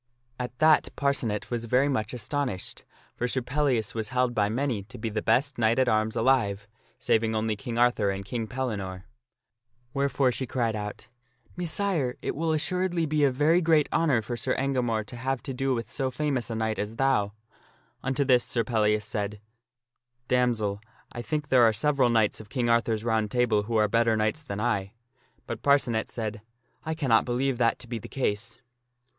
At that Parcenet was very much astonished, for Sir Pellias was held by many to be the best knight at arms alive, saving only King Arthur and Sir Pellias and King Pellinore. Wherefore she cried out. " Messire, it will as Parcenet dis suredly be a very great honor for Sir Engamore to have to do ' ier ' with so famous a knight as thou." Unto this Sir Pellias said, " Damsel, I think there are several knights of King Arthur's Round Table who are better knights than I." But Parcenet said, " I cannot believe that to be the case."